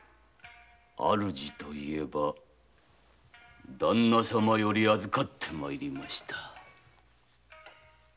主といえば旦那様より預かって参りました。